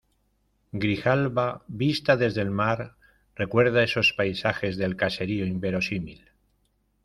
Grijalba, vista desde el mar , recuerda esos paisajes de caserío inverosímil